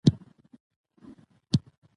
د واک تمرکز اختلافونه زیاتوي